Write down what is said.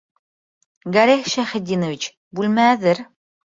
Гәрәй Шәйхетдинович, бүлмә әҙер.